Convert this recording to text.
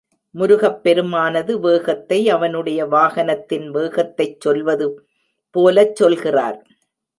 முருகப் பெருமானது வேகத்தை, அவனுடைய வாகனத்தின் வேகத்தைச் சொல்வது போலச் சொல்கிறார்.